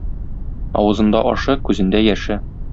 Авызында ашы - күзендә яше.